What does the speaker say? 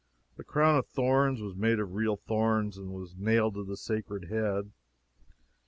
The crown of thorns was made of real thorns, and was nailed to the sacred head.